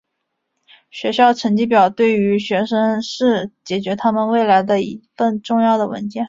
学校成绩表对于学生是决定他们未来的一份重要的文件。